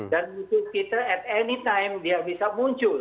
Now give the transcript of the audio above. dan musuh kita at any time dia bisa muncul